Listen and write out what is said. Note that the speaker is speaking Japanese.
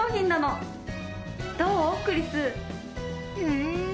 うん！